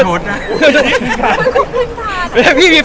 ก็จะมีใคร